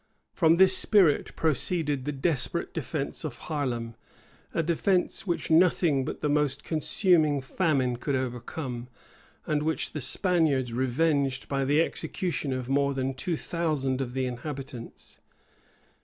From this spirit proceeded the desperate defence of Harlem; a defence which nothing but the most consuming famine could overcome, and which the Spaniards revenged by the execution of more than two thousand of the inhabitants.